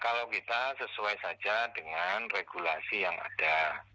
kalau kita sesuai saja dengan regulasi yang ada